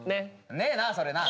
ねえなそれな。